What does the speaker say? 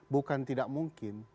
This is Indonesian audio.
bukan tidak mungkin